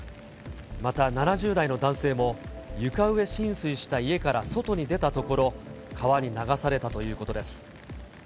また、７０代の男性も床上浸水した家から外に出たところ、川に流されたということです。